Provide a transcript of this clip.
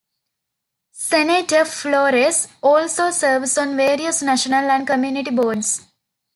Senator Flores also serves on various national and community boards.